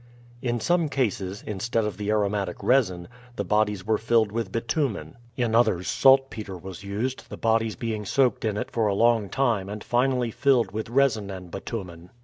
In some cases, instead of the aromatic resin, the bodies were filled with bitumen; in others saltpeter was used, the bodies being soaked in it for a long time and finally filled with resin and bitumen.